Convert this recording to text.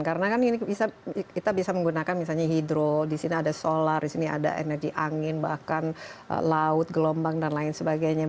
karena kan ini bisa kita bisa menggunakan misalnya hidro di sini ada solar di sini ada energi angin bahkan laut gelombang dan lain sebagainya